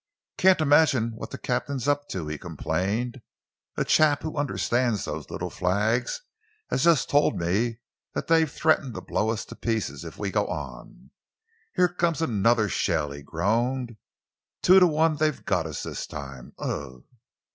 "Can't imagine what the captain's up to," he complained. "A chap who understands those little flags has just told me that they've threatened to blow us to pieces if we go on. Here comes another shell!" he groaned. "Two to one they've got us this time! Ugh!"